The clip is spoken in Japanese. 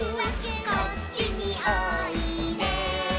「こっちにおいで」